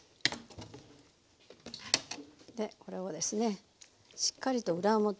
でこれをですねしっかりと裏表。